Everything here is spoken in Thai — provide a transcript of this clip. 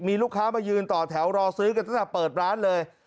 มีลูกค้ามายืนต่อแถวรอซื้อกันตั้งแต่เปิดร้านเลย